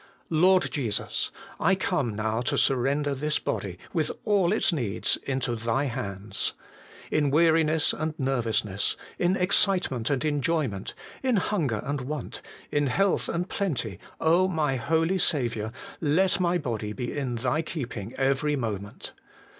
Lord Jesus ! I come now to surrender this body with all its needs into Thy hands. In weariness and nervousness, in excitement and enjoyment, in hunger and want, in health and plenty, my holy Saviour, let my body be in Thy keeping every moment.